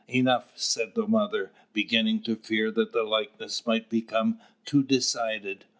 "Enough," said the mother, beginning to fear that the likeness might become too decided.